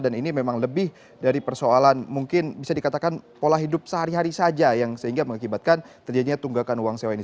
dan ini memang lebih dari persoalan mungkin bisa dikatakan pola hidup sehari hari saja yang sehingga mengakibatkan terjadinya tunggakan uang sewa ini